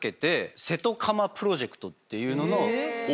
っていうのの。